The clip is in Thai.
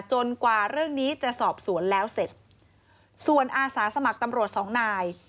กว่าเรื่องนี้จะสอบสวนแล้วเสร็จส่วนอาสาสมัครตำรวจสองนาย